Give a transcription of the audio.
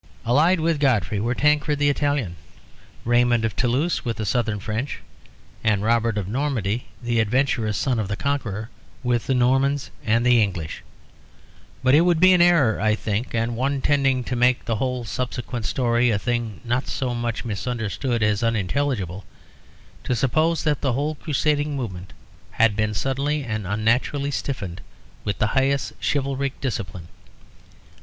Allied with Godfrey were Tancred the Italian, Raymond of Toulouse with the southern French and Robert of Normandy, the adventurous son of the Conqueror, with the Normans and the English. But it would be an error, I think, and one tending to make the whole subsequent story a thing not so much misunderstood as unintelligible, to suppose that the whole crusading movement had been suddenly and unnaturally stiffened with the highest chivalric discipline.